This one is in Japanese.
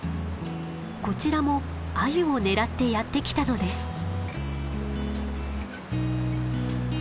こちらもアユを狙ってやって来たのです。